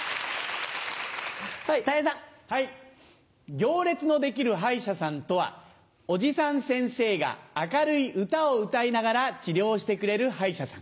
行列の出来る歯医者さんとはおじさん先生が明るい歌を歌いながら治療してくれる歯医者さん。